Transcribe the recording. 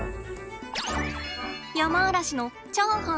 ヤマアラシのチャーハンです。